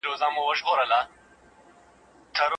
بهرنی سیاست د ملي اقتصاد په غوړیدو کي رول لري.